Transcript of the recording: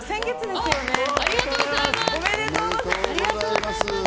おめでとうございます。